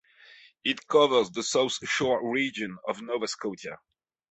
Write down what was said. It covers the South Shore region of Nova Scotia.